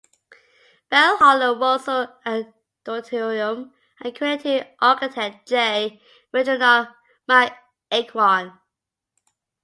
Bell Hall and Russell Auditorium are credited to architect J. Reginald MacEachron.